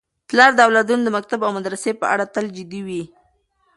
پلار د اولادونو د مکتب او مدرسې په اړه تل جدي وي.